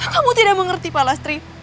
kamu tidak mengerti mopalastri